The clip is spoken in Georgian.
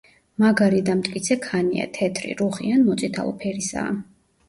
მაგარი და მტკიცე ქანია; თეთრი, რუხი, ან მოწითალო ფერისაა.